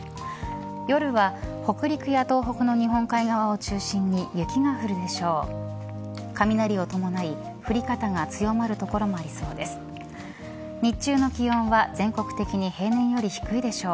夜は北陸や東北の日本海側を中心に雪が降るでしょう。